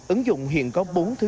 ứng dụng hiện có bốn thứ